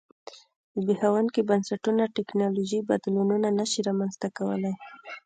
زبېښونکي بنسټونه ټکنالوژیکي بدلونونه نه شي رامنځته کولای